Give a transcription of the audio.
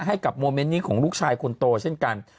ให้กับโมเมนต์นี้ของลูกชายคุณโตเช่นกัน